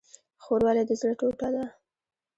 خور ولې د زړه ټوټه ده؟